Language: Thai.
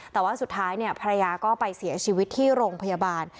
แต่ว่าสุดท้ายภรรยาก็ไปเสียชีวิตที่โรงพยาบาล